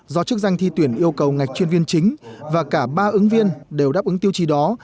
do chức danh thi tuyển yêu cầu ngạch chuyên viên chính và cả ba ứng viên đều đáp ứng tiêu chí đó